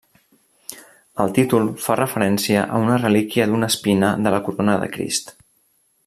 El títol fa referència a una relíquia d'una espina de la corona de Crist.